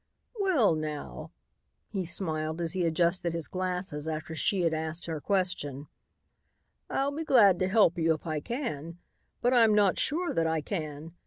"Well, now," he smiled as he adjusted his glasses after she had asked her question, "I'll be glad to help you if I can, but I'm not sure that I can.